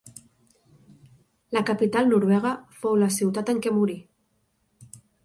La capital noruega fou la ciutat en què morí.